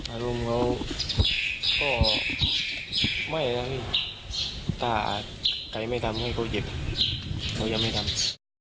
อารมณ์เขาก็ไม่ครับถ้าใครไม่ทำให้เขาเจ็บเขายังไม่ทำ